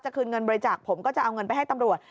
คืนเงินบริจาคผมก็จะเอาเงินไปให้ตำรวจ